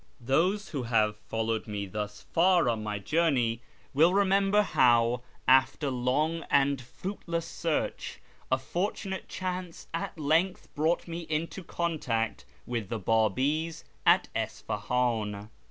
Those who have followed me thus far on my journey will ^A SHIRAZ 299 remember how, after long and fruitless search, a fortunate chance at length brought me into contact with the Babis at Isfahan.